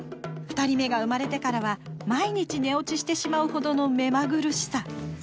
２人目が生まれてからは毎日、寝落ちしてしまうほどのめまぐるしさ。